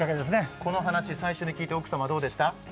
この話、最初に聞いて奥様どうでした？